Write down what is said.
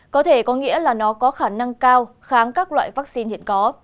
có thể có nghĩa là nó có khả năng cao kháng các loại vaccine hiện có